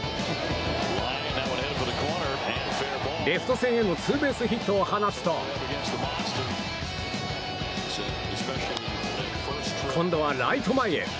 レフト線へのツーベースヒットを放つと今度はライト前へ。